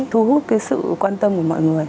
thu hút cái sự quan tâm của mọi người